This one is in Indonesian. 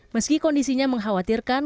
meski kondisinya mengkhawatirkan